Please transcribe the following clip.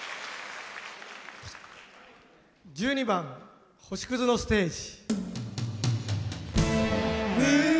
１２番「星屑のステージ」。